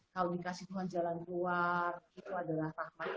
kalau dikasih tuhan jalan keluar itu adalah paham kebaikan